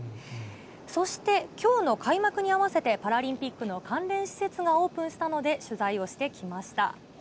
そして、きょうの開幕に合わせて、パラリンピックの関連施設がオープンしたので、取材をしてきました。